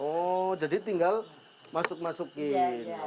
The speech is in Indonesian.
oh jadi tinggal masuk masukin